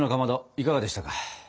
いかがでしたか？